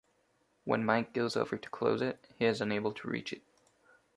When Mike goes over to close it, he is unable to reach it.